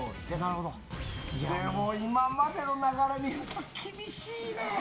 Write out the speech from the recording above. でも今までの流れ見ると厳しいね。